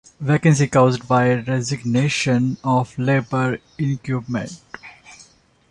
Vacancy caused by resignation of Labour incumbent.